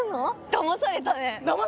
だまされたね